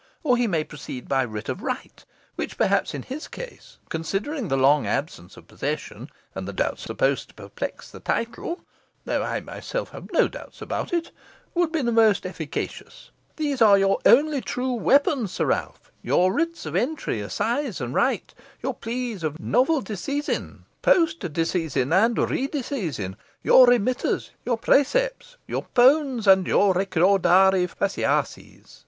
Or he may proceed by writ of right, which perhaps, in his case, considering the long absence of possession, and the doubts supposed to perplex the title though I myself have no doubts about it would be the most efficacious. These are your only true weapons, Sir Ralph your writs of entry, assise, and right your pleas of novel disseisin, post disseisin, and re disseisin your remitters, your præcipes, your pones, and your recordari faciases.